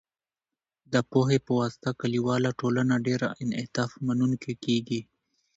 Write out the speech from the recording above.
د پوهې په واسطه، کلیواله ټولنه ډیر انعطاف منونکې کېږي.